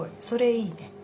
それいいね。